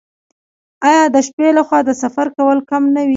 آیا د شپې لخوا د سفر کول کم نه وي؟